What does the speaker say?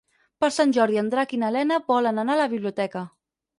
Per Sant Jordi en Drac i na Lena volen anar a la biblioteca.